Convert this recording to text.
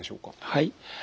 はい。